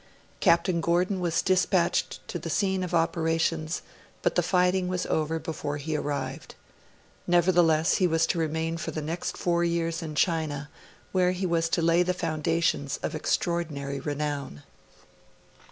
Captain Gordon was dispatched to the scene of operations, but the fighting was over before he arrived. Nevertheless, he was to remain for the next four years in China, where he was to lay the foundations of extraordinary renown.